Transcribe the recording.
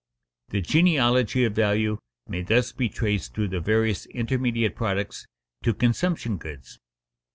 _The genealogy of value may thus be traced through the various intermediate products to consumption goods.